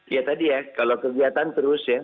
ya tadi ya kalau kegiatan terus ya